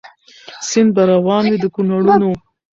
سیند به روان وي د کونړونو